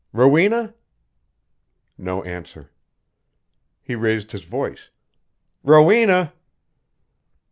"Rowena?" No answer. He raised his voice. "Rowena!"